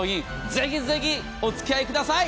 ぜひぜひ、お付き合いください。